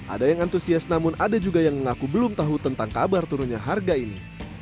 ada yang antusias namun ada juga yang mengaku belum tahu tentang kabar turunnya harga ini